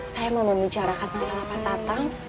saya mau membicarakan masalah pak tatang